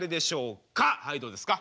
はいどうですか？